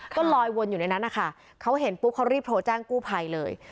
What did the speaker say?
ก็ลอยวนอยู่ในนั้นนะคะเขาเห็นปุ๊บเขารีบโทรแจ้งกู้ภัยเลย